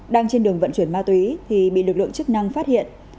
đang trên đường vận chuyển ma túy thì bị lực lượng chức năng phát hiện